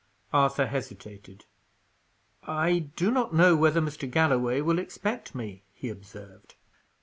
Arthur hesitated. "I do not know whether Mr. Galloway will expect me," he observed.